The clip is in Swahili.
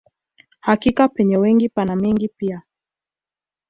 Hakika penye wengi pana mengi pia